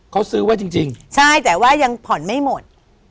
เขาซื้อไว้จริงจริงใช่แต่ว่ายังผ่อนไม่หมด